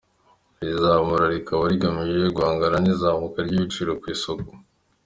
Iri zamura rikaba rigamije guhangana n’izamuka ry’ibiciro ku isoko.